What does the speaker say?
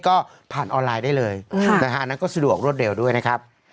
ก็ผ่านออนไลน์ได้เลยนะฮะอันนั้นก็สะดวกรวดเร็วด้วยนะครับ